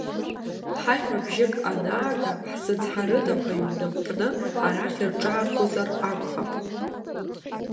Ҳаи ҳәа бжьык анаага, ҳзыцҳарыда ҳәа иҩныппны арахь рҿаархозар акәхап.